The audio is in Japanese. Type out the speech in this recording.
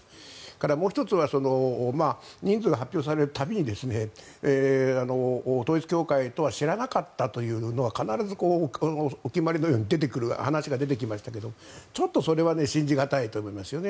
それからもう１つは人数が発表される度に統一教会とは知らなかったというのが必ずお決まりのように話が出てきましたがちょっとそれは信じ難いと思いますよね。